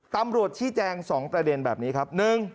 ตำรวจชี้แจง๒ประเด็นแบบนี้ครับ